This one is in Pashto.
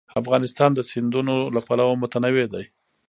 افغانستان د سیندونه له پلوه متنوع دی.